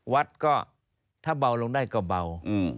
วัดก็ถ้าเบาลงได้ก็เบา